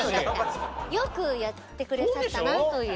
よくやって下さったなという。